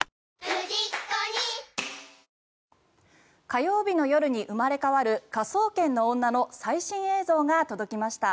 火曜日の夜に生まれ変わる「科捜研の女」の最新映像が届きました。